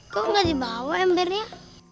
kok gak dibawa embernya